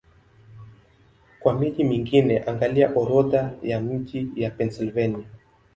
Kwa miji mingine, angalia Orodha ya miji ya Pennsylvania.